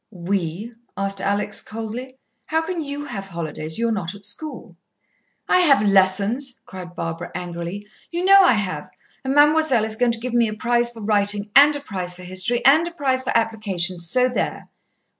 "We?" asked Alex coldly. "How can you have holidays? You're not at school." "I have lessons," cried Barbara angrily. "You know I have, and Ma'moiselle is going to give me a prize for writing, and a prize for history, and a prize for application. So there!"